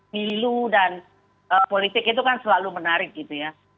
milu dan politik itu kan selalu menarik gitu ya